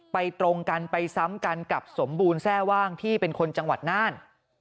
ตรงกันไปซ้ำกันกับสมบูรณแทร่ว่างที่เป็นคนจังหวัดน่าน